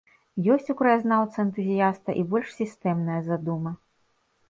Ёсць у краязнаўца-энтузіяста і больш сістэмная задума.